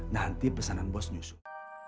nanti pesanan bos nyusul